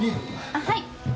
あっはい。